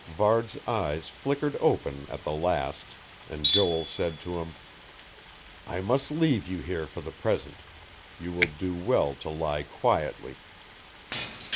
Varde's eyes flickered open at the last; and Joel said to him: "I must leave you here for the present. You will do well to lie quietly."